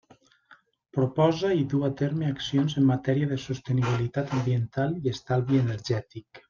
Proposa i duu a terme accions en matèria de sostenibilitat ambiental i estalvi energètic.